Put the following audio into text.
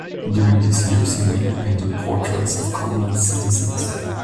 During these years he mainly painted portraits of Koblenz citizens.